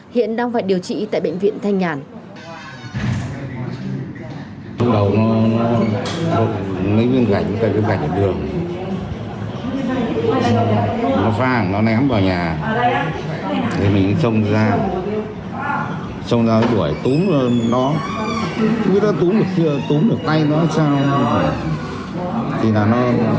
hiện đang phải điều trị tại bệnh viện thanh nhàn